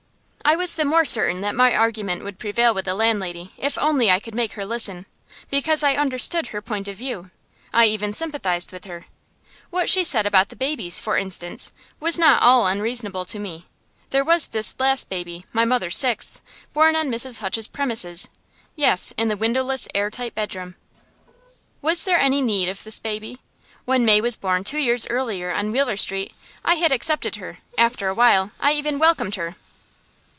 I was the more certain that my argument would prevail with the landlady, if only I could make her listen, because I understood her point of view. I even sympathized with her. What she said about the babies, for instance, was not all unreasonable to me. There was this last baby, my mother's sixth, born on Mrs. Hutch's premises yes, in the windowless, air tight bedroom. Was there any need of this baby? When May was born, two years earlier, on Wheeler Street, I had accepted her; after a while I even welcomed her.